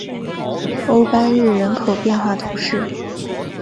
欧班日人口变化图示